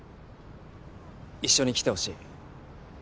一緒に来てほしい。